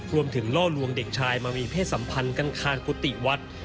ล่อลวงเด็กชายมามีเพศสัมพันธ์กันคานกุฏิวัด